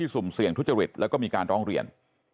สุ่มเสี่ยงทุจริตแล้วก็มีการร้องเรียน